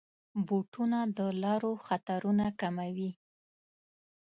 بوټونه د لارو خطرونه کموي.